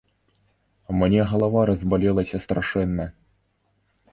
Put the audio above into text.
Мне галава разбалелася страшэнна.